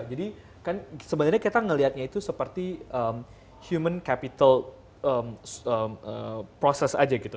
jadi kan sebenarnya kita ngelihatnya itu seperti human capital process aja gitu